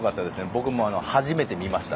僕も初めて見ました。